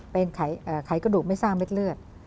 เป็นไขกระดูกไม่สร้างเม็ดเลือด